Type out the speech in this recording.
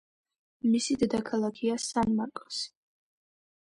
მისი დედაქალაქია სან-მარკოსი.